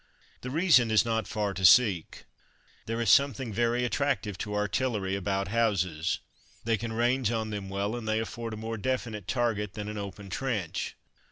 The reason is not far to seek. There is something very attractive to artillery about houses. They can range on them well, and they afford a more definite target than an open trench.